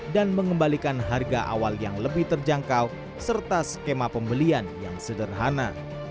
dan mengembalikan harga awal yang lebih terjangkau serta skema pembelian yang sederhana